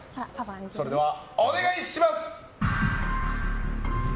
それではお願いします！